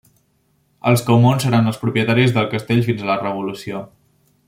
Els Caumont seran els propietaris del castell fins a la Revolució.